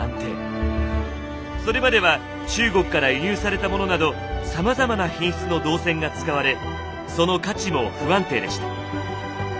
それまでは中国から輸入されたものなどさまざまな品質の銅銭が使われその価値も不安定でした。